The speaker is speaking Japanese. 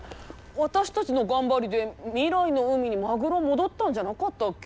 私たちの頑張りで未来の海にマグロ戻ったんじゃなかったっけ？